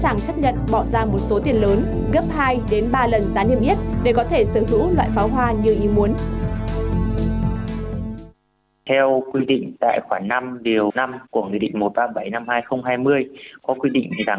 sẵn sàng chấp nhận bỏ ra một số tiền lớn gấp hai ba lần giá niêm yết để có thể sử dụng loại pháo hoa như ý muốn